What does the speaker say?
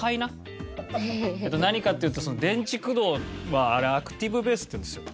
何かっていうと電池駆動はあれアクティブベースっていうんですよ。